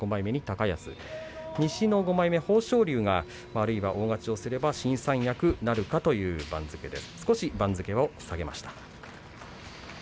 西の５枚目、豊昇龍あるいは大勝ちすれば新三役なるかという番付です。